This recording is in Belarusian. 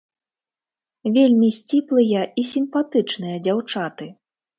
Вельмі сціплыя і сімпатычныя дзяўчаты.